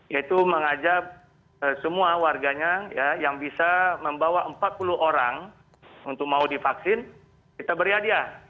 yaitu mengajak semua warganya yang bisa membawa empat puluh orang untuk mau divaksin kita beri hadiah